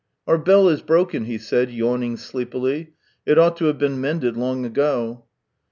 " Our bell is broken," he said, yawning sleepily. "It ought to have been mended long ago."